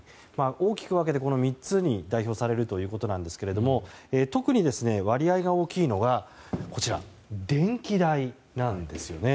大きく分けてこの３つに代表されるということですが特に割合が大きいのは電気代なんです。